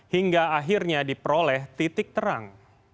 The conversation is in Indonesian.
hingga akhirnya diperoleh titik terang